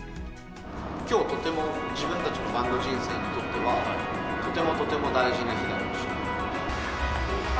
きょう、とても、自分たちのバンド人生にとっては、とてもとても大事な日だろうし。